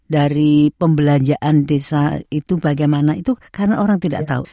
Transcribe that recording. dari pembelanjaan desa itu bagaimana itu karena orang tidak tahu